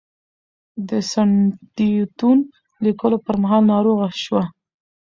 د "سندیتون" لیکلو پر مهال ناروغه شوه.